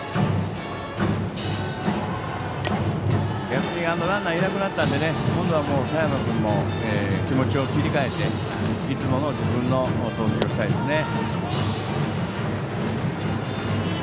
逆にランナーがいなくなったので今度は佐山君も気持ちを切り替えていつもの自分の投球をしたいですね。